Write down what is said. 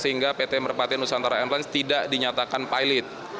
sehingga pt merpati nusantara airlines tidak dinyatakan pilot